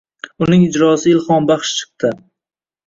Uning ijrosi ilhombaxsh chiqdi.